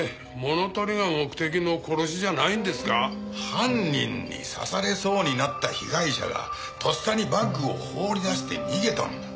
犯人に刺されそうになった被害者がとっさにバッグを放り出して逃げたんだ。